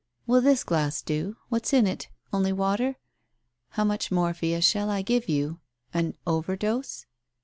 ... "Will this glass do? What's in it? Only water? How much morphia shall I give you? An over dose